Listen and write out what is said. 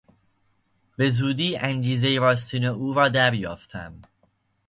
به زودی انگیزهی راستین او را دریافتم.